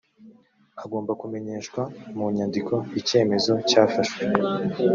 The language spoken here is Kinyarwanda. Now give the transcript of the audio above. agomba kumenyeshwa mu nyandiko icyemezo cyafashwe